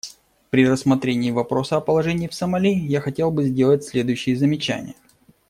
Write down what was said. При рассмотрении вопроса о положении в Сомали я хотел бы сделать следующие замечания.